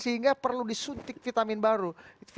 sehingga perlu disuntik vitamin baru